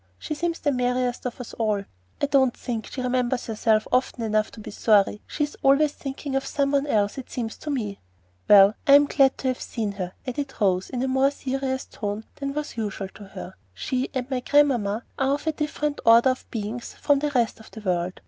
She seems the merriest of us all." "I don't think she remembers herself often enough to be sorry. She is always thinking of some one else, it seems to me." "Well, I am glad to have seen her," added Rose, in a more serious tone than was usual to her. "She and grandmamma are of a different order of beings from the rest of the world.